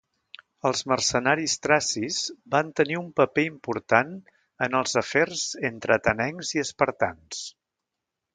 Els mercenaris tracis van tenir un paper important en els afers entre atenencs i espartans.